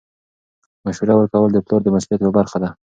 مشوره ورکول د پلار د مسؤلیت یوه برخه ده.